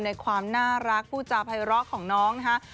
ในความน่ารักผู้จาภัยร้อของน้องนะฮะ